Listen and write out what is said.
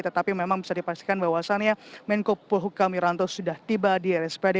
tetapi memang bisa dipastikan bahwasannya menkopol hukam wiranto sudah tiba di rspad